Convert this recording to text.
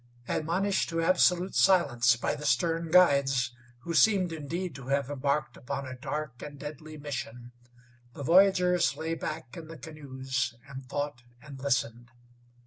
Admonished to absolute silence by the stern guides, who seemed indeed to have embarked upon a dark and deadly mission, the voyagers lay back in the canoes and thought and listened.